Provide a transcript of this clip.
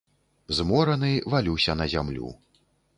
Змораны валюся на зямлю.